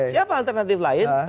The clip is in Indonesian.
siapa alternatif lain